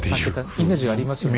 イメージありますね。